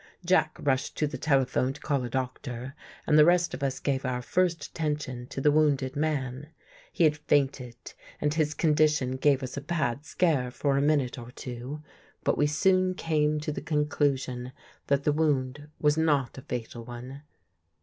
Jack rushed to the telephone to call a doctor and the rest of us gave our first attention to the wounded man. He had fainted and his condition gave us a bad scare for a minute or two. But we soon came to the conclusion that the wound was not a fatal one.